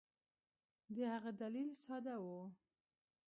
د هغه دلیل ساده وو.